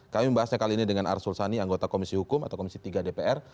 kami membahasnya kali ini dengan arsul sani anggota komisi hukum atau komisi tiga dpr